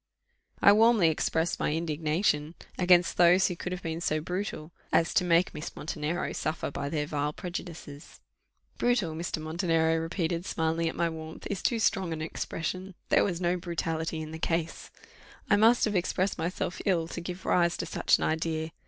I warmly expressed my indignation against those who could have been so brutal as to make Miss Montenero suffer by their vile prejudices. "Brutal," Mr. Montenero repeated, smiling at my warmth, "is too strong an expression: there was no brutality in the case. I must have expressed myself ill to give rise to such an idea.